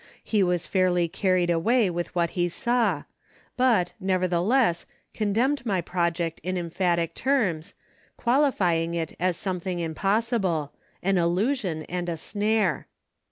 He was fairly carried away with what he saw but, nevertheless, condemned my project in emphatic terms, qualifying it as something impossible, "an illusion and a snare."